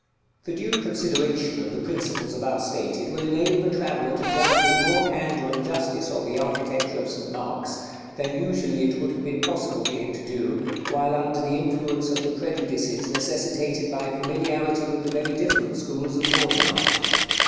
§ XLVIII. The due consideration of the principles above stated will enable the traveller to judge with more candor and justice of the architecture of St. Mark's than usually it would have been possible for him to do while under the influence of the prejudices necessitated by familiarity with the very different schools of Northern art.